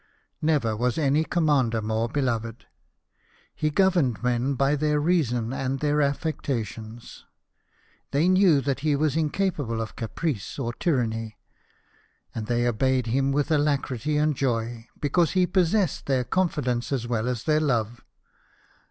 Never was any commander more beloved. He governed men by their reason and their aflections. They knew that he was incapable of caprice or tyranny ; and they obeyed him with alacrity and joy, because he possessed their confidence as well as their love.